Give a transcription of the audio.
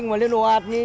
nói chung là lên đồ à